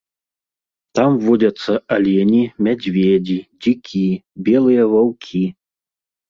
Там водзяцца алені, мядзведзі, дзікі, белыя ваўкі.